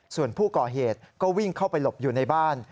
ส่วนผู้ก่อเหตุก็วิ่งเข้าไปหลบอยู่ในบ้าน